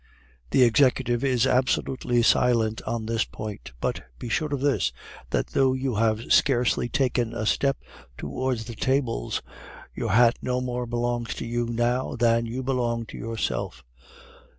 The executive is absolutely silent on this point. But be sure of this, that though you have scarcely taken a step towards the tables, your hat no more belongs to you now than you belong to yourself.